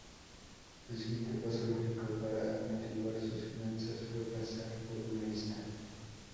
El siguiente paso lógico para amortiguar sus finanzas fue pasar por una lista.